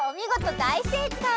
だいせいかい！